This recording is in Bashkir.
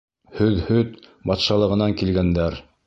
— Һөҙһөт батшалығынан килгәндәр.